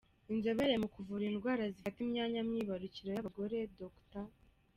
Inzobere mu kuvura indwara zifata imyanya myibarukiro y’abagore, Dr.